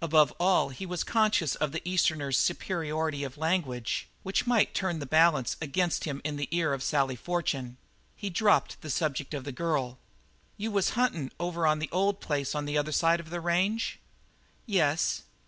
Above all he was conscious of the Easterner's superiority of language, which might turn the balance against him in the ear of Sally Fortune. He dropped the subject of the girl. "You was huntin' over on the old place on the other side of the range?" "Yes."